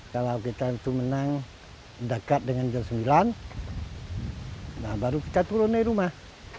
kalau kita itu menang dekat dengan jam sembilan nah baru kita turun dari rumah